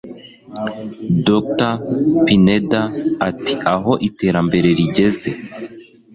Dr Pineda ati Aho iterambere rigeze